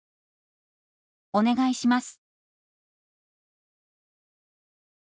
「お願いします」。